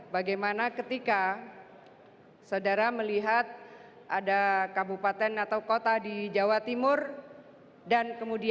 bagaimana ketika saudara melihat ada kabupaten atau kota di jawa timur dan kemudian